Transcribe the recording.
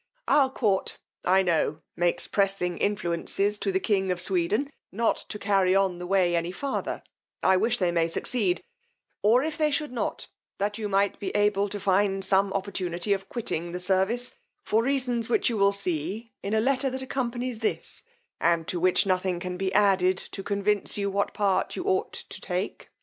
"Our court, I know, makes pressing influences to the king of Sweden not to carry on the way any farther: I wish they may succeed, or if they should not, that you might be able to find some opportunity of quitting the service for reasons which you will see in a letter that accompanies this, and to which nothing can be added to convince you what part you ought to take.